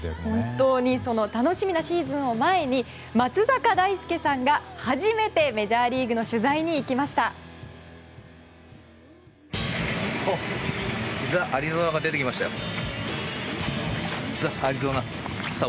本当にその楽しみなシーズンを前に松坂大輔さんが初めてメジャーリーグの取材に行きました。